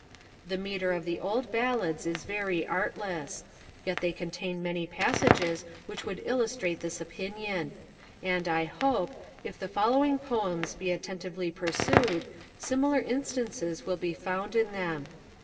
The metre of the old ballads is very artless; yet they contain many passages which would illustrate this opinion; and, I hope, if the following Poems be attentively perused, similar instances will be found in them.